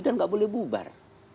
dan gak boleh bubar